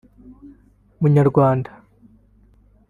“Munyarwanda